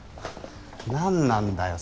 何なんだよ